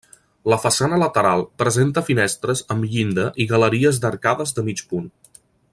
La façana lateral presenta finestres amb llinda i galeries d'arcades de mig punt.